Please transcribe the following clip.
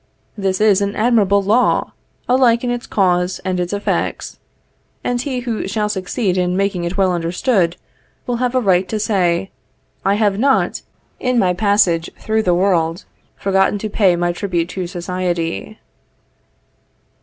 This is an admirable law, alike in its cause and its effects, and he who shall succeed in making it well understood, will have a right to say, "I have not, in my passage through the world, forgotten to pay my tribute to society."